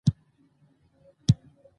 زه د خپل ژوند هدفونه په کاغذ لیکم.